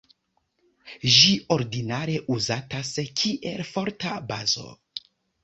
Ĝi ordinare uzatas kiel forta bazo.